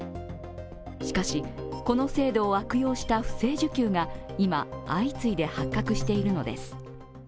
しかしこの制度を悪用した不正受給が今、相次いで発覚しているのです。